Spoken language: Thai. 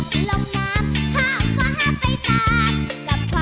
ข้าวฟ้าไปนับ